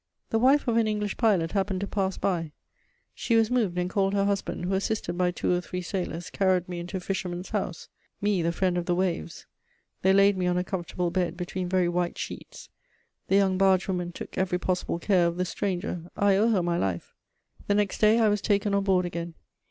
The wife of an English pilot happened to pass by; she was moved and called her husband, who, assisted by two or three sailors, carried me into a fisherman's house: me, the friend of the waves; they laid me on a comfortable bed, between very white sheets. The young barge woman took every possible care of the stranger: I owe her my life. The next day I was taken on board again.